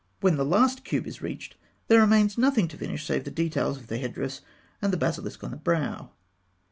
When the last cube is reached, there remains nothing to finish save the details of the head dress and the basilisk on the brow.